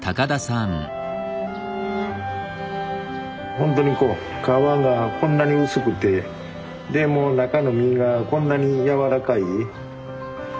ほんとにこう皮がこんなに薄くてでもう中の身がこんなに柔らかい実なんでね。